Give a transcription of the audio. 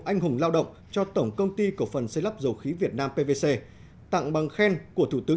anh hùng lao động cho tổng công ty cổ phần xây lắp dầu khí việt nam pvc tặng bằng khen của thủ tướng